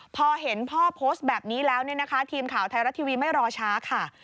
พอเห็นพ่อโพสต์แบบนี้แล้วทีมข่าวไทยรัตน์ทีวีไม่รอช้าค่ะ